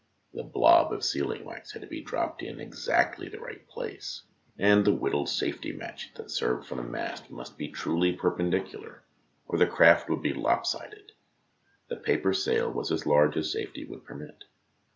The " blob " of sealing wax had to be dropped in exactly the right place, and the whittled safety match that served for a mast must be truly perpendicular or the craft would be lop sided. The paper sail was as large as safety would permit.